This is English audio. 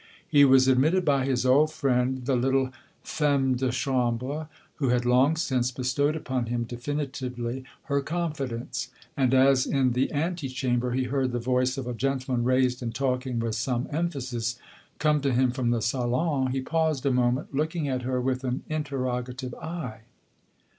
He was admitted by his old friend, the little femme de chambre, who had long since bestowed upon him, definitively, her confidence; and as in the ante chamber he heard the voice of a gentleman raised and talking with some emphasis, come to him from the salon, he paused a moment, looking at her with an interrogative eye.